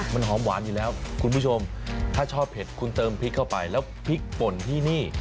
มันหอมหวานอยู่แล้วคุณผู้ชมถ้าชอบเผ็ดคุณเติมพริกเข้าไปแล้วพริกป่นที่นี่